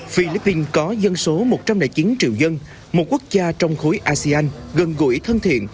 philippines có dân số một trăm linh chín triệu dân một quốc gia trong khối asean gần gũi thân thiện